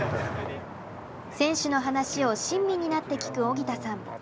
選手の話を親身になって聞く荻田さん。